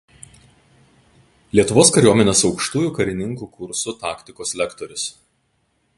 Lietuvos kariuomenės Aukštųjų karininkų kursų taktikos lektorius.